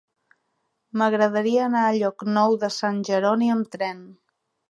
M'agradaria anar a Llocnou de Sant Jeroni amb tren.